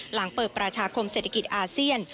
หลังเปิดประชาคมเศรษฐกิจอาเซียน